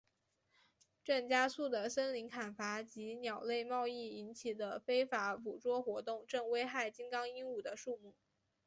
正加速的森林砍伐及鸟类贸易引起的非法捕捉活动正危害金刚鹦鹉的数目。